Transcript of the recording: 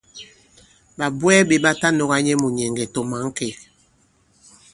Ɓàbwɛɛ ɓē ɓa ta nɔ̄ga nyɛ mùnyɛ̀ŋgɛ̀ tɔ̀ mǎnkêk.